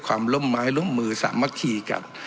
ล้มไม้ล้มมือสามัคคีกัน